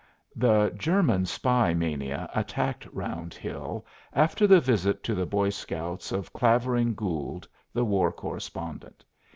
The "German spy" mania attacked Round Hill after the visit to the boy scouts of Clavering Gould, the war correspondent.